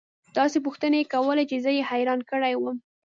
داسې پوښتنې يې كولې چې زه يې حيران كړى وم.